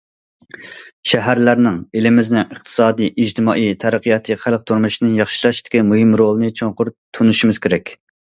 شەھەرلەرنىڭ ئېلىمىزنىڭ ئىقتىسادىي، ئىجتىمائىي تەرەققىياتى، خەلق تۇرمۇشىنى ياخشىلاشتىكى مۇھىم رولىنى چوڭقۇر تونۇشىمىز كېرەك.